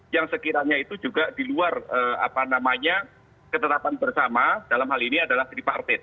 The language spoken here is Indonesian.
yang sekiranya itu juga di luar ketetapan bersama dalam hal ini adalah tripartit